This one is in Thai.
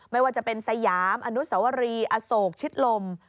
ไม่ว่าจะเป็นสยามอนุสวรีอโศกชิดลม